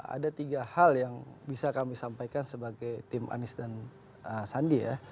ada tiga hal yang bisa kami sampaikan sebagai tim anies dan sandi ya